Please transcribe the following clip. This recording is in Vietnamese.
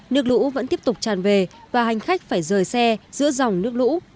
nước lũ vẫn tiếp tục tràn về và hành khách phải rời xe giữa dòng nước lũ